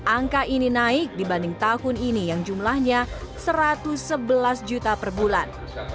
angka ini naik dibanding tahun ini yang jumlahnya satu ratus sebelas juta per bulan